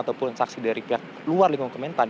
ataupun saksi dari pihak luar lingkungan kementan